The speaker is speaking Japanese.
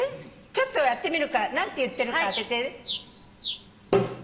ちょっとやってみるから何て言ってるか当てて。